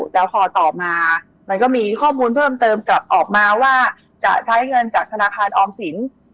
แล้วพอต่อมามันก็มีข้อมูลเพิ่มเติมกลับออกมาว่าจะใช้เงินจากธนาคารออมสิน